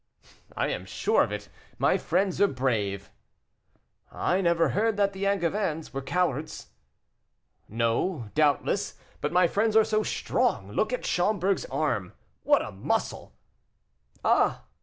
"I am sure of it; my friends are brave." "I never heard that the Angevins were cowards." "No, doubtless; but my friends are so strong; look at Schomberg's arm; what muscle!" "Ah!